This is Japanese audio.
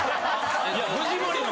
藤森の。